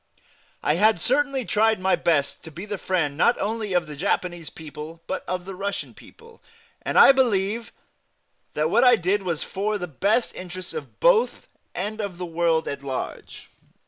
I had certainly tried my best to be the friend not only of the Japanese people but of the Russian people, and I believe that what I did was for the best interests of both and of the world at large.